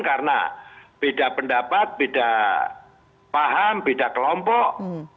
karena beda pendapat beda paham beda kelompok